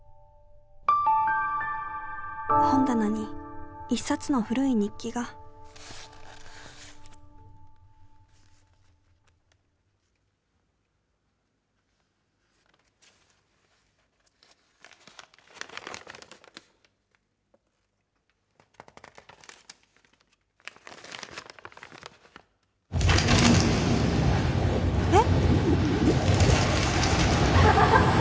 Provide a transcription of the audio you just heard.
本棚に一冊の古い日記がえ？